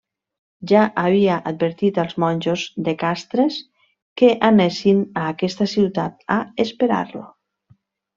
Ja havia advertit als monjos de Castres que anessin a aquesta ciutat a esperar-lo.